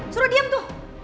suruh diem tuh